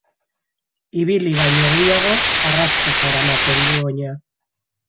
Ibili baino gehiago arrastaka eramaten du oina.